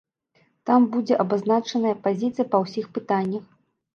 Там будзе абазначаная пазіцыя па ўсіх пытаннях.